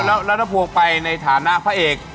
แล้วพวกไปในฐานะพระเอก